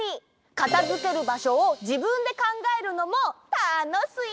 かたづけるばしょをじぶんでかんがえるのもたのしい！